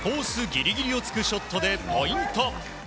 ぎりぎりを突くショットでポイント。